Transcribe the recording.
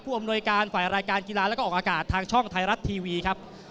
อำนวยการฝ่ายรายการกีฬาแล้วก็ออกอากาศทางช่องไทยรัฐทีวีครับ